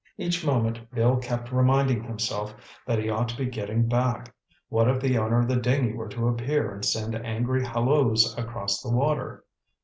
Each moment Bill kept reminding himself that he ought to be getting back. What if the owner of the dinghy were to appear and send angry halloos across the water?